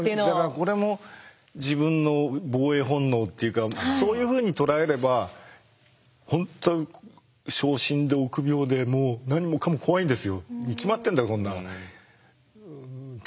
これも自分の防衛本能っていうかそういうふうに捉えれば本当小心で臆病で何もかも怖いんですよ。に決まってんだそんなん。